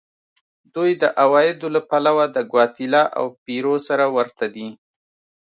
دوی د عوایدو له پلوه د ګواتیلا او پیرو سره ورته دي.